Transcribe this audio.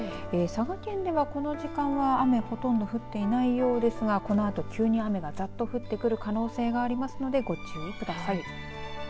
佐賀県ではこの時間は雨、ほとんど降っていないようですがこのあと急に雨がざっと降ってくる可能性がありますのでご注意ください。